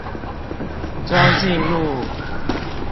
莊敬路